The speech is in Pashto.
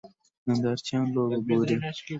نندارچیان لوبه ګوري.